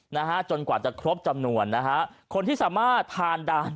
นะฮะจนกว่าจะครบจำนวนนะฮะคนที่สามารถผ่านด่าน